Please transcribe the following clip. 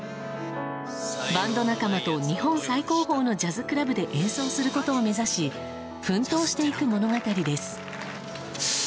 バンド仲間と日本最高峰のジャズクラブで演奏することを目指し奮闘していく物語です。